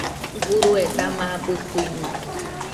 Urue dama abɨ kuiñode